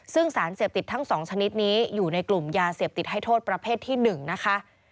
ซึ่งสารเสพติดทั้ง๒ชนิดนี้อยู่ในกลุ่มยาเสพติดให้โทษประเภทที่๑นะคะ